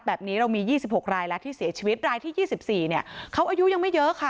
แบบนี้เรามี๒๖รายแล้วที่เสียชีวิตรายที่๒๔เนี่ยเขาอายุยังไม่เยอะค่ะ